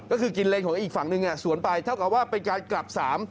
ก็คือกินเลนของอีกฝั่งหนึ่งสวนไปเท่ากับว่าเป็นการกลับสาม